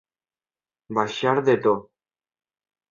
Baixar de to.